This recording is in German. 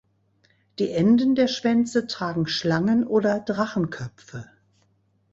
Die Enden der Schwänze tragen Schlangen- oder Drachenköpfe.